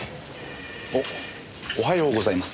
おはようございます。